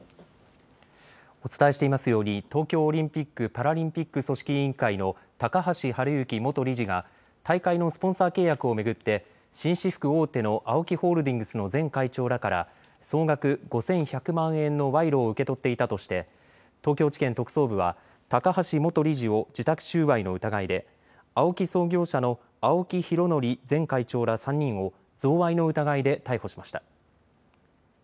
お伝えしていますように東京オリンピック・パラリンピック組織委員会の高橋治之元理事が大会のスポンサー契約を巡って紳士服大手のＡＯＫＩホールディングスの前会長らから総額５１００万円の賄賂を受け取っていたとして東京地検特捜部は高橋元理事を受託収賄の疑いで、ＡＯＫＩ創業者の青木拡憲前会長ら３人を贈賄の疑いで逮捕しました。